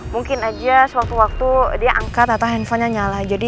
mungkin aja sewaktu waktu dia angkat atau handphonenya nyala